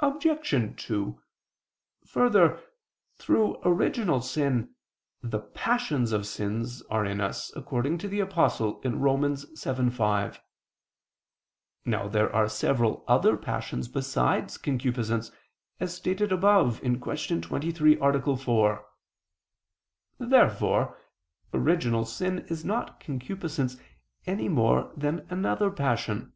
Obj. 2: Further, through original sin "the passions of sins" are in us, according to the Apostle (Rom. 7:5). Now there are several other passions besides concupiscence, as stated above (Q. 23, A. 4). Therefore original sin is not concupiscence any more than another passion.